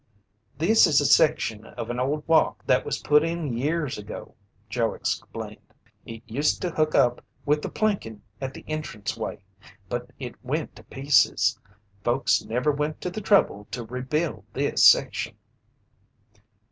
"This is a section of an old walk that was put in years ago," Joe explained. "It used to hook up with the planking at the entranceway, but it went to pieces. Folks never went to the trouble to rebuild this section."